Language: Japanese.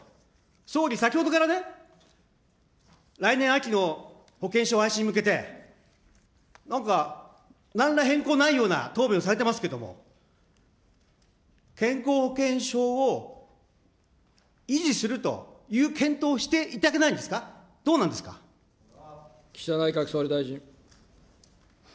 総理、先ほどからね、来年秋の保険証廃止に向けて、なんかなんら変更ないような答弁をされてますけれども、健康保険証を維持するという検討をしていただけないんですか、ど岸田内閣総理大臣。